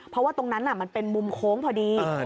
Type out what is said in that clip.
เพราะว่าตรงนั้นมันเป็นมุมโค้งพอดี